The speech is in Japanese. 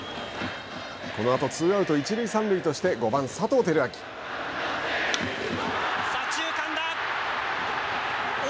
このあとツーアウト一塁三塁として左中間だ。